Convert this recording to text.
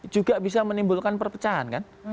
juga bisa menimbulkan perpecahan